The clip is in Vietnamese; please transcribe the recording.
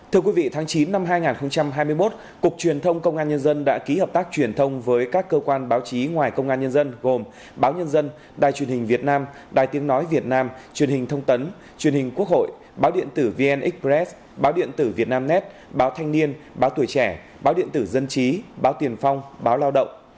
thưa quý vị tháng chín năm hai nghìn hai mươi một cục truyền thông công an nhân dân đã ký hợp tác truyền thông với các cơ quan báo chí ngoài công an nhân dân gồm báo nhân dân đài truyền hình việt nam đài tiếng nói việt nam truyền hình thông tấn truyền hình quốc hội báo điện tử vn express báo điện tử việt nam net báo thanh niên báo tuổi trẻ báo điện tử dân trí báo tiền phong báo lao động